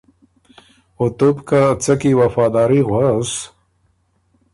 او تُو بو که څۀ کی وفاداري غؤس